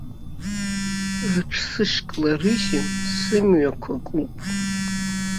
Рыҽсышькларыжьын, сымҩақәа куп.